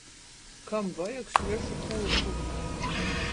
Kam vajag svešu kūrpu.